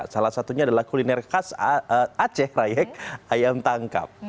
salah satunya adalah kuliner khas aceh rayek ayam tangkap